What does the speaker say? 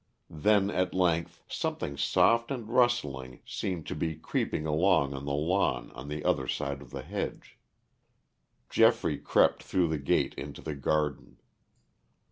Then at length something soft and rustling seemed to be creeping along on the lawn on the other side of the hedge. Geoffrey crept through the gate into the garden.